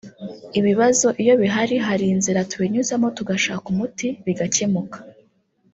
Ibibazo iyo bihari hari inzira tubinyuzamo tugashaka umuti bigacyemuka